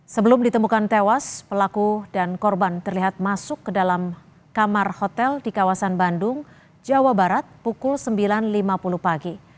sebelum ditemukan tewas pelaku dan korban terlihat masuk ke dalam kamar hotel di kawasan bandung jawa barat pukul sembilan lima puluh pagi